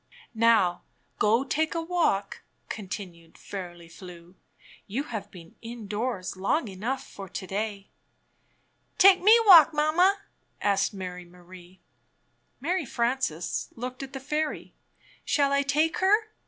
"Now, go take a walk," continued Fairly Flew; "you have been indoors long enough for to day." "Take me walk, Mamma?" asked Mary Marie. Mary Frances looked at the fairy. "Shall I take her?"